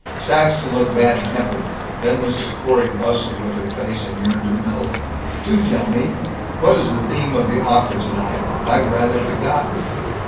Saxton looked bad tempered. Then Mrs. Corey bustled with her face and yearned at Milt, "Do tell me: what is the theme of the opera tonight. I've rather forgotten."